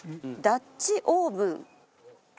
ダッチオーブン？